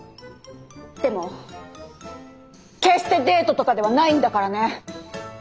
でも決してデートとかではないんだからね。